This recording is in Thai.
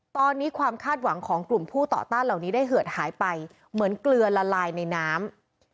ตอนนี้ความคาดหวังของกลุ่มผู้ต่อต้านเหล่านี้ได้เหือดหายไปเหมือนเกลือละลายในน้ำ